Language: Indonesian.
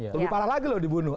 lebih parah lagi loh dibunuh